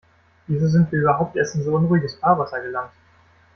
Wieso sind wir überhaupt erst in so unruhiges Fahrwasser gelangt?